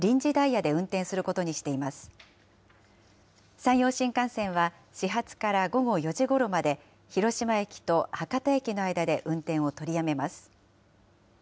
山陽新幹線は始発から午後４時ごろまで、広島駅と博多駅の間で運転を取りやめます。